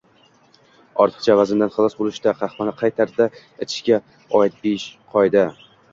Ortiqcha vazndan xalos bo‘lishda qahvani qay tarzda ichishga oidbeshqoida